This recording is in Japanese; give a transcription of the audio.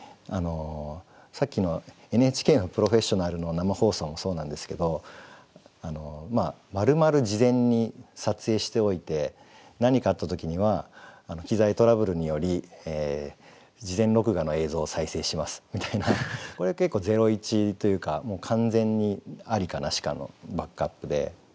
さっきのＮＨＫの「プロフェッショナル」の生放送もそうなんですけどまるまる事前に撮影しておいて何かあった時には「機材トラブルにより事前録画の映像を再生します」みたいなこれは結構０１というか完全にありかなしかのバックアップで。